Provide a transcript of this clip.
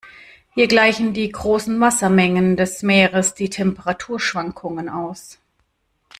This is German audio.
Hier gleichen die großen Wassermengen des Meeres die Temperaturschwankungen aus.